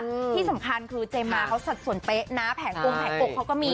ที่สำคัญคือเจมมาเขาสัดส่วนเป๊ะนะแผงองค์แผงอกเขาก็มี